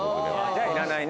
じゃいらないね。